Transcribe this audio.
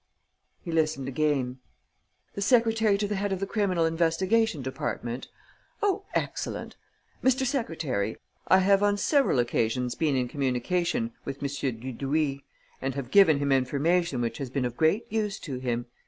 He listened again: "The secretary to the head of the criminal investigation department? Oh, excellent! Mr. Secretary, I have on several occasions been in communication with M. Dudouis and have given him information which has been of great use to him.